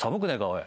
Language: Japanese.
おい。